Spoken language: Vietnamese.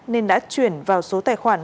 nên đã chuyển vào số tài khoản